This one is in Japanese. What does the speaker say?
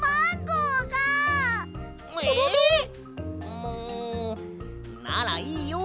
もうならいいよ。